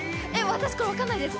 私これ分かんないです